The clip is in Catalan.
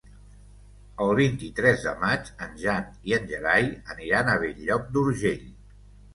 El vint-i-tres de maig en Jan i en Gerai aniran a Bell-lloc d'Urgell.